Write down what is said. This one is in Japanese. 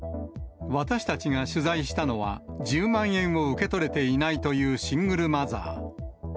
私たちが取材したのは、１０万円を受け取れていないというシングルマザー。